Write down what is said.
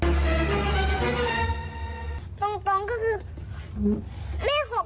ตรงก็คือ